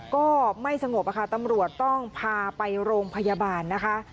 ก็ไม่สงบค่ะตำรวจต้องพาไปโรงพยาบาลนะคะ